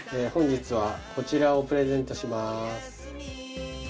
本日はこちらをプレゼントします。